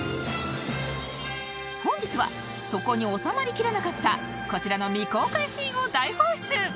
本日はそこに収まりきらなかったこちらの未公開シーンを大放出